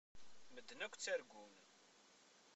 Medden akk ttargun.